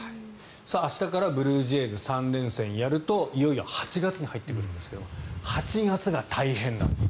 明日からブルージェイズ３連戦やるといよいよ８月に入ってくるんですが８月が大変なんです。